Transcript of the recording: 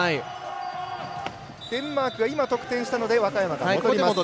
デンマークが得点したので若山が戻ります。